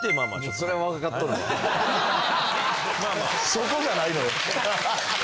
そこじゃないのよ。